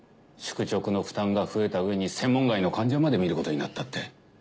宿直の負担が増えたうえに専門外の患者まで診ることになったって。